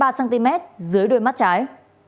ba cm dưới đôi mắt trái